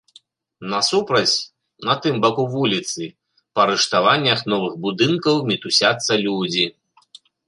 Насупраць, на тым баку вуліцы, па рыштаваннях новых будынкаў мітусяцца людзі.